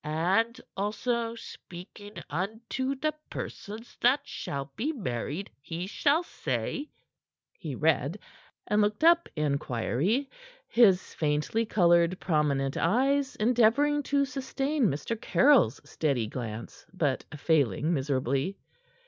"And also speaking unto the persons that shall be married, he shall say:" he read, and looked up inquiry, his faintly colored, prominent eyes endeavoring to sustain Mr. Caryll's steady glance, but failing miserably.